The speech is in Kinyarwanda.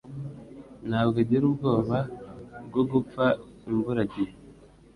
Ntabwo agira ubwoba bwo gupfa imbura gihe